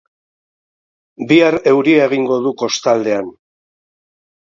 Bihar euria egingo du kostaldean.